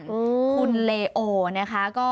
คุณแลโอซ์นะคะ